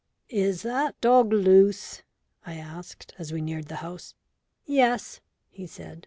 "Is that dog loose?" I asked, as we neared the house. "Yes," he said.